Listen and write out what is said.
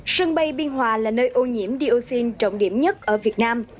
sân bay biên hòa là nơi ô nhiễm dioxin trọng điểm nhất ở việt nam